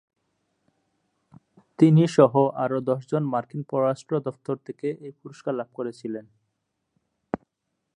তিনিসহ আরো দশজন মার্কিন পররাষ্ট্র দফতর থেকে এই পুরস্কার লাভ করেছিলেন।